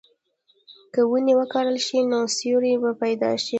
که ونې وکرل شي، نو سیوری به پیدا شي.